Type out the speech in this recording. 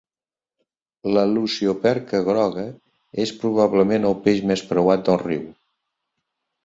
La lucioperca groga és probablement el peix més preuat del riu.